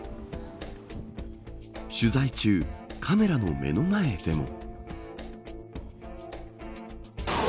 取材中、カメラの目の前でも。